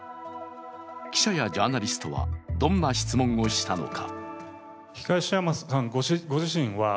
記者やジャーナリストはどんな質問をしたのか。